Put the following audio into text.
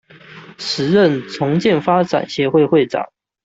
時任重建發展協會會長